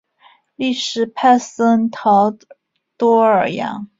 利什派森陶多尔扬。